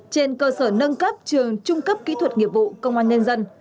trên cơ sở nâng cấp trường trung cấp kỹ thuật nghiệp vụ công an nhân dân